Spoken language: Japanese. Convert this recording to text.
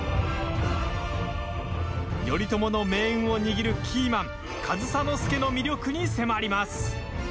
頼朝の命運を握るキーマン上総介の魅力に迫ります。